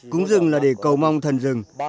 cúng rừng là để cầu mong thần rừng